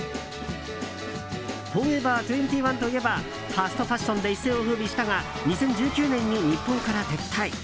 ＦＯＲＥＶＥＲ２１といえばファストファッションで一世を風靡したが２０１９年に日本から撤退。